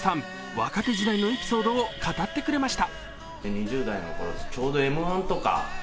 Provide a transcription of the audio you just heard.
若手時代のエピソードを語ってくれました。